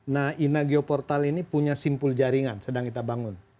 nah ina geoportal ini punya simpul jaringan sedang kita bangun